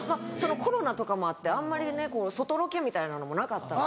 コロナとかもあってあんまりね外ロケみたいなのもなかったんで。